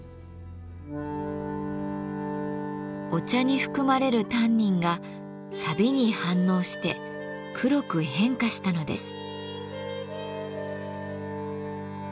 お茶に含まれるタンニンがさびに反応して黒く変化したのです。